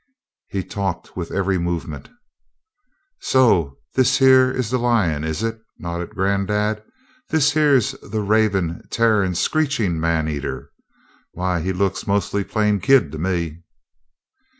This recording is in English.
He talked with every movement. "So this here is the lion, is it?" nodded granddad. "This here is the ravenin', tearin', screechin' man eater? Why, he looks mostly plain kid to me."